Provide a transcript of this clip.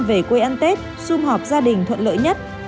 về quê ăn tết xung họp gia đình thuận lợi nhất